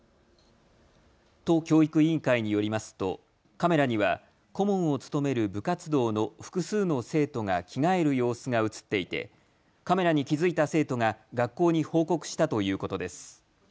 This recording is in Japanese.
都教育委員会によりますとカメラには顧問を務める部活動の複数の生徒が着替える様子が映っていてカメラに気付いた生徒が学校に報告したということです。